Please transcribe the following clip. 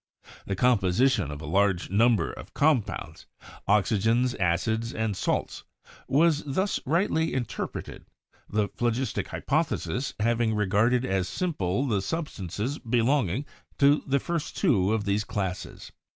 The composition of a large number of compounds — oxides, acids and salts — was thus rightly interpreted, the phlogistic hypothesis having regarded as simple the substances belonging to the first two of these classes.